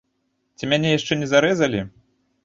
Ці мяне яшчэ не зарэзалі?